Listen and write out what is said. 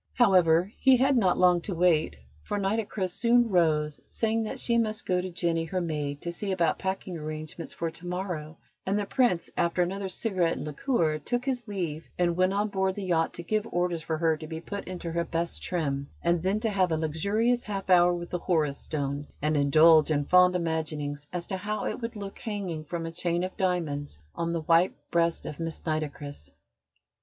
However, he had not long to wait, for Nitocris soon rose, saying that she must go to Jenny, her maid, to see about packing arrangements for to morrow; and the Prince, after another cigarette and liqueur, took his leave and went on board the yacht to give orders for her to be put into her best trim, and then to have a luxurious half hour with the Horus Stone, and indulge in fond imaginings as to how it would look hanging from a chain of diamonds on the white breast of Miss Nitocris.